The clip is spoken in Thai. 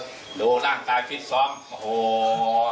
เตรียมป้องกันแชมป์ที่ไทยรัฐไฟล์นี้โดยเฉพาะ